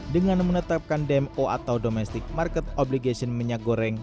dengan menetapkan dmo atau domestic market obligation minyak goreng